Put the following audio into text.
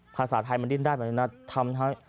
ภาษาไทยมันดิ้นได้ไปแล้วนะทำให้